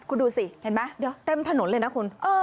คุณดูสิเห็นไหมเดี๋ยวเต็มถนนเลยนะคุณ